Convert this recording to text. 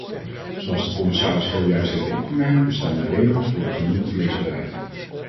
Zoals de commissaris heel juist heeft opgemerkt bestaan er regels voor de genoemde vleesbereiding.